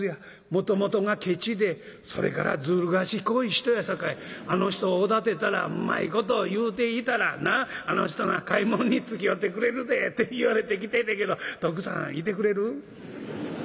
もともとがケチでそれからずる賢い人やさかいあの人をおだてたらうまいこと言うていたらあの人が買い物につきおうてくれるで』って言われて来てんねんけど徳さん行てくれる？」。